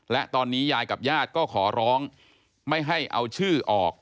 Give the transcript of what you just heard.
และตอนนี้ยายกับญาติก็ขอร้องไม่ให้เอาชื่อออก